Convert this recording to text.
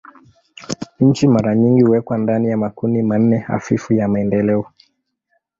Nchi mara nyingi huwekwa ndani ya makundi manne hafifu ya maendeleo.